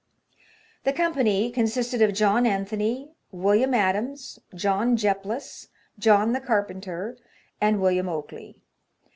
The company consisted of John Anthony, William Adams, John Jeplis, John the carpenter, and William Okeley.